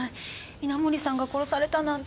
稲盛さんが殺されたなんて。